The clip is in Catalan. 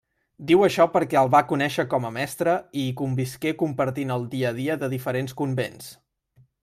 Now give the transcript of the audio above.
Diu això perquè el va conéixer com a mestre i hi convisqué compartint el dia a dia de diferents convents.